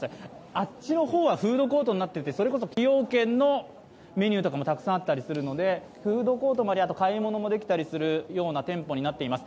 あっちの方はフードコートになっていてそれこそ崎陽軒のメニューとかもたくさんあったりするのでフードコートもあり買い物できたりするお店になっています。